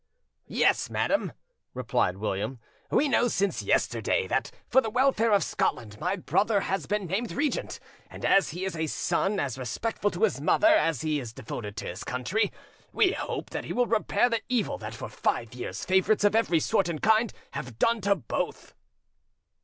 "Yes, madam," replied William, "we know since yesterday that, for the welfare of Scotland, my brother has been named regent; and as he is a son as respectful to his mother as he is devoted to his country, we hope that he will repair the evil that for five years favourites of every sort and kind have done to both."